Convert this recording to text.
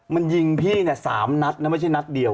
มันยิงพี่เนี่ย๓นัดนะไม่ใช่นัดเดียว